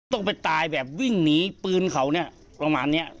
ต้องไปตายแบบวิ่งหนีปืนเขาเนี่ยประมาณเนี้ย